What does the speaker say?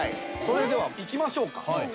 それではいきましょうか。